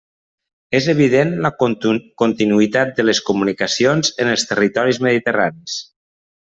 És evident la continuïtat de les comunicacions en els territoris mediterranis.